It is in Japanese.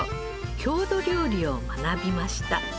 郷土料理を学びました。